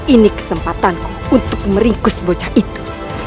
ini kesempatanku untuk meringkus bocah itu